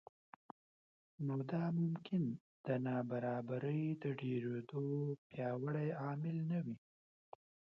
نو دا ممکن د نابرابرۍ د ډېرېدو پیاوړی عامل نه وي